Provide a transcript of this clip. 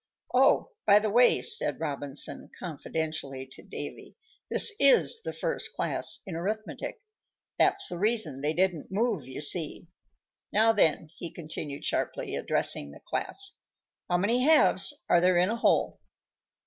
"Oh! by the way," said Robinson, confidentially to Davy, "this is the first class in arithmetic. That's the reason they didn't move, you see. Now, then," he continued sharply, addressing the class, "how many halves are there in a whole?"